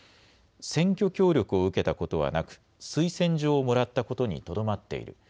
選挙協力を受けたことはなく推薦状をもらったことにとどまっている。